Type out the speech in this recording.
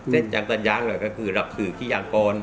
เสร็จจากตัดย้างเลยก็คือรับสื่อขี้ยางก่อน